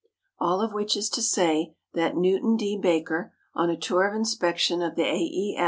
All of which is to say that Newton D. Baker, on a tour of inspection of the A. E.